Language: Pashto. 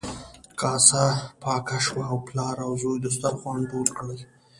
کاسه پاکه شوه او پلار او زوی دسترخوان ټول کړل.